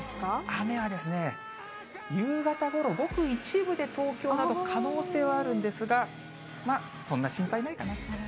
雨は夕方ごろ、ごく一部で、東京など、可能性があるんですが、まあ、そんな心配ないかなという。